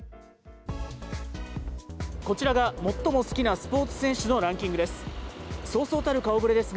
こちらが最も好きなスポーツ選手のランキングです。